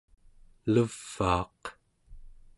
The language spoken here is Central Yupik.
levaaq